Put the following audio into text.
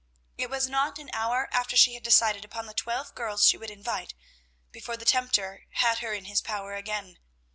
It was not an hour after she had decided upon the twelve girls she would invite, before the tempter had her in his power again.